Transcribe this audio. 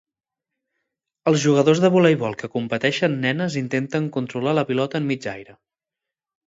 Els jugadors de voleibol que competeixen nenes intenten controlar la pilota en mig aire.